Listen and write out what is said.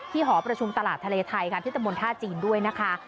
หอประชุมตลาดทะเลไทยค่ะที่ตะมนต์ท่าจีนด้วยนะคะ